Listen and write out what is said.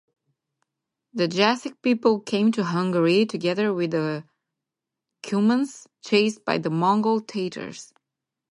The Jassic people came to Hungary together with the Cumans, chased by the Mongol-Tatars.